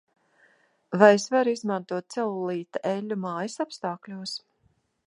Vai es varu izmantot celulīta eļļu mājas apstākļos?